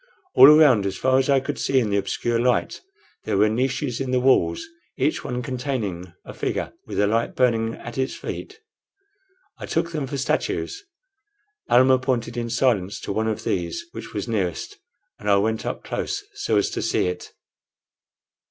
All around, as far as I could see in the obscure light, there were niches in the walls, each one containing a figure with a light burning at its feet. I took them for statues. Almah pointed in silence to one of these which was nearest, and I went up close so as to see it.